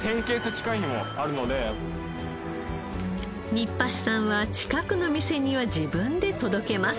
新橋さんは近くの店には自分で届けます。